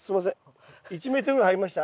１ｍぐらい入りました？